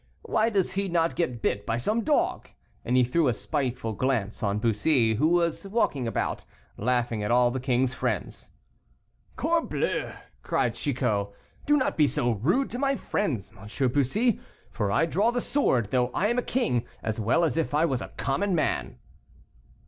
Why does he not get bit by some dog?" And he threw a spiteful glance on Bussy, who was walking about, laughing at all the king's friends. "Corbleu!" cried Chicot, "do not be so rude to my friends, M. Bussy, for I draw the sword, though I am a king, as well as if I was a common man."